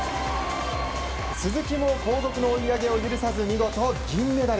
鈴木も後続の追い上げを許さず銀メダル。